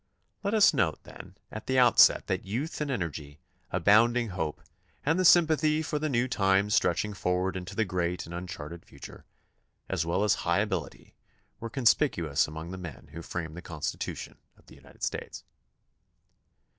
Let us note, then, at the outset that youth and energy, abounding hope, and the sympathy for the new times stretching forward into the great and uncharted future, as well as high ability, were conspicuous among the men who framed the Con stitution of the United States.